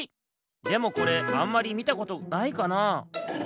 でもこれあんまりみたことないかな？